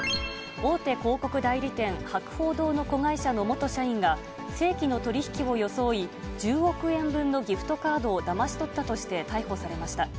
大手広告代理店、博報堂の子会社の元社員が、正規の取り引きを装い、１０億円分のギフトカードをだまし取ったとして逮捕されました。